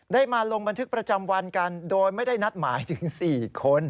มาลงบันทึกประจำวันกันโดยไม่ได้นัดหมายถึง๔คน